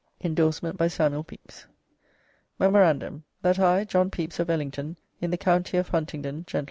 [Indorsement by S. Pepys.] "Memorandum. That I, John Pepys of Ellington, in the county of Huntingdon, Gent."